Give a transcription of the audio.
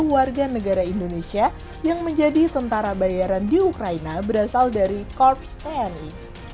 sepuluh warga negara indonesia yang menjadi tentara bayaran di ukraina berasal dari korps tni